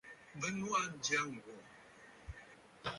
Bɨ nuʼu aa ǹjyâ ŋ̀gwò.